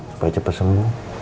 supaya cepat sembuh